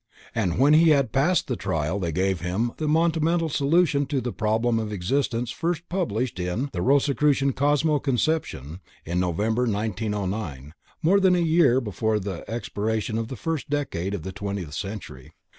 And when he had passed the trial they gave him the monumental solution of the problem of existence first published in "The Rosicrucian Cosmo Conception" in November, 1909, more than a year before the expiration of the first decade of the twentieth century.